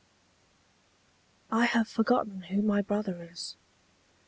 *^ I have forgotten who my brother is.